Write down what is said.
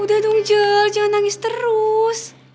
udah dong jel jangan nangis terus